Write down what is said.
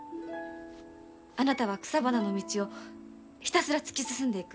あなたは草花の道をひたすら突き進んでいく。